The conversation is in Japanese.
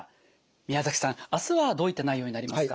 宮崎さん明日はどういった内容になりますか？